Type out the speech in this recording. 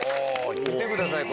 見てください